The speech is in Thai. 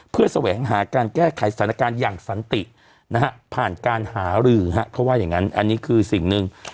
เพื่อแสวงหาการแก้ไขสถานการณ์อย่างสันตินะฮะผ่านการหารือฮะเขาว่าอย่างนั้นอันนี้คือสิ่งหนึ่ง